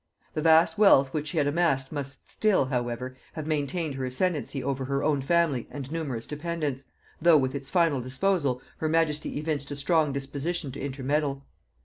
The vast wealth which she had amassed must still, however, have maintained her ascendency over her own family and numerous dependents, though with its final disposal her majesty evinced a strong disposition to intermeddle.